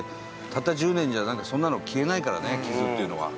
たった１０年じゃ、そんなの消えないからね、傷ってのは。